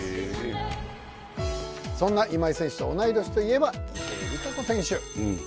そんな今井選手と同い年といえば池江璃花子選手